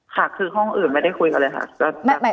ค่ะคือห้องอื่นไม่ได้คุยกันเลยค่ะ